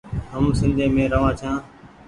هم سنڌي روآن ڇآن ۔